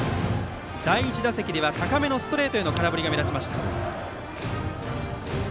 第１打席では高めのストレートへの空振りが目立ちました。